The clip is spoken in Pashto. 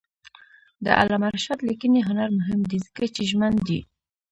د علامه رشاد لیکنی هنر مهم دی ځکه چې ژمن دی.